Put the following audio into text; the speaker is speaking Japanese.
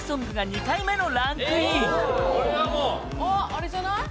あれじゃない？